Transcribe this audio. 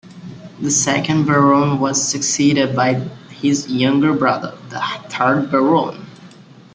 The second Baron was succeeded by his younger brother, the third Baron.